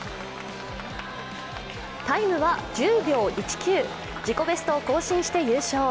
タイムは１０秒１９、自己ベストを更新して優勝。